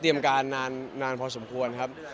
อ๋อเตรียมการนานพอสมควรครับ